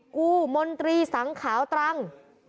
กู้มนตรีสังขาวตรัง